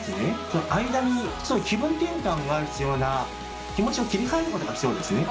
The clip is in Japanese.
その間にちょっと気分転換が必要な気持ちを切り替えることが必要ですね。